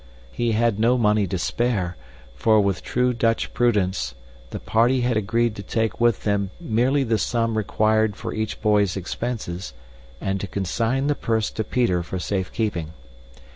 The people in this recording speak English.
He had no money to spare, for with true Dutch prudence, the party had agreed to take with them merely the sum required for each boy's expenses and to consign the purse to Peter for safekeeping.